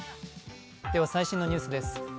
最新のニュースです。